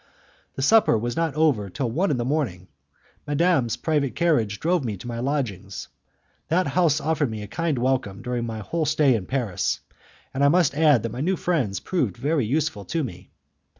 The supper was not over till one o'clock in the morning. Madame's private carriage drove me to my lodgings. That house offered me a kind welcome during the whole of my stay in Paris, and I must add that my new friends proved very useful to me.